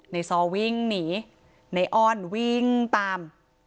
ซอวิ่งหนีในอ้อนวิ่งตาม